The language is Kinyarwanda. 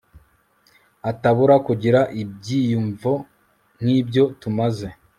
atabura kugira ibyiyumvo nk'ibyo tumaze